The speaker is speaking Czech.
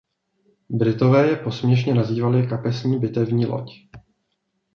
Britové je posměšně nazývali kapesní bitevní loď.